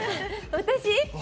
私？